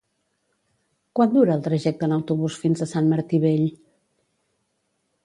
Quant dura el trajecte en autobús fins a Sant Martí Vell?